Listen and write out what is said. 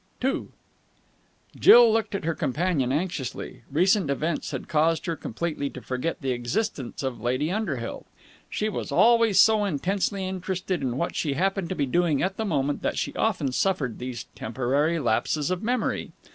II Jill looked at her companion anxiously. Recent events had caused her completely to forget the existence of Lady Underhill. She was always so intensely interested in what she happened to be doing at the moment that she often suffered these temporary lapses of memory.